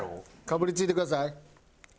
かぶりついてください。